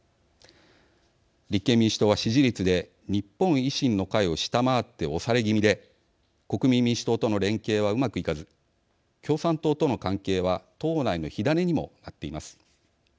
立憲民主党は、支持率で日本維新の会を下回って押され気味で国民民主党との連携はうまくいかず共産党との関係は党内の火種にもなっています。